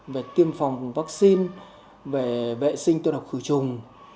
về tiêm phòng vaccine về vệ sinh tiêu độc khử trùng